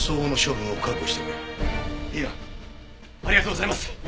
ありがとうございます！